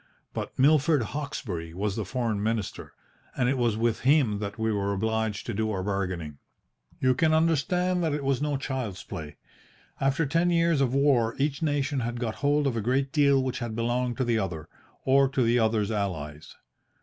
But Milord Hawkesbury was the Foreign Minister, and it was with him that we were obliged to do our bargaining. "You can understand that it was no child's play. After ten years of war each nation had got hold of a great deal which had belonged to the other, or to the other's allies.